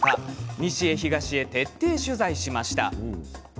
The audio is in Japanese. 西へ東へ、徹底取材しました。